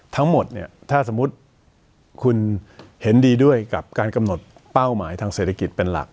ทั้งหมดเนี่ยถ้าสมมุติคุณเห็นดีด้วยกับการกำหนดเป้าหมายทางเศรษฐกิจเป็นหลัก